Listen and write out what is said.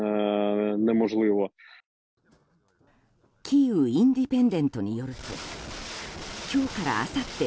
キーウ・インディペンデントによると今日からあさって